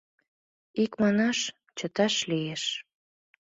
Икманаш, чыташ лиеш.